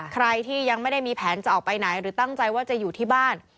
ใครที่ยังไม่ได้มีแผนจะออกไปไหนหรือตั้งใจว่าจะอยู่ที่บ้าน